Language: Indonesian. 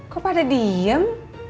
kok pada diem